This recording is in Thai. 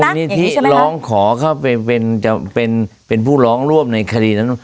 อย่างนี้ใช่ไหมครับมูลนิธิร้องขอเข้าไปเป็นจะเป็นเป็นผู้ร้องรวมในคดีนั้น